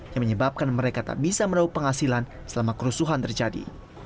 yang menyebabkan mereka tak bisa merauh penghasilan selama kerusuhan terjadi